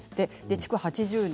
築８０年。